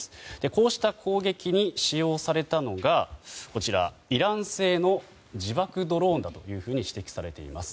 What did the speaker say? こうした攻撃に使用されたのがイラン製の自爆ドローンだと指摘されています。